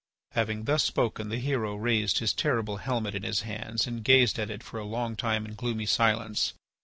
Having thus spoken the hero raised his terrible helmet in his hands and gazed at it for a long time in gloomy silence.